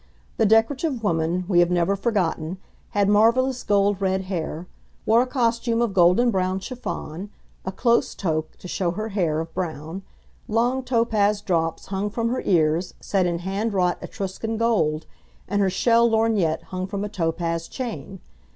The decorative woman we have never forgotten, had marvellous gold red hair, wore a costume of golden brown chiffon, a close toque (to show her hair) of brown; long topaz drops hung from her ears, set in hand wrought Etruscan gold, and her shell lorgnettes hung from a topaz chain.